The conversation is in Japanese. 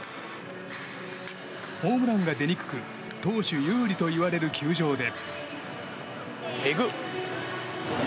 ホームランが出にくく投手有利といわれる球場で。